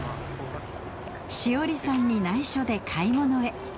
紫織さんに内緒で買い物へ。